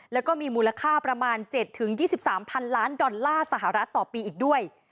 แล้วก็มีมูลค่าประมาณ๗๒๓พันล้านดอลลาร์สหรัฐต่อปีอีกด้วย